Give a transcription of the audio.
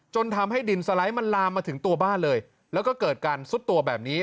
ทำให้ดินสไลด์มันลามมาถึงตัวบ้านเลยแล้วก็เกิดการซุดตัวแบบนี้